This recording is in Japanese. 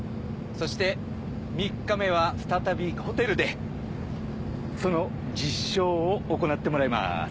そして３日目は再びホテルでその実証を行ってもらいます。